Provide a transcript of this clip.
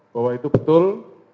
bahwa itu betul